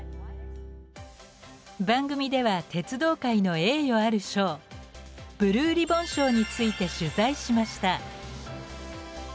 番組では鉄道界の栄誉ある賞ブルーリボン賞について取材しました。